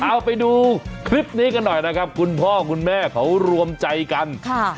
เอาไปดูคลิปนี้กันหน่อยนะครับคุณพ่อคุณแม่เขารวมใจกันค่ะ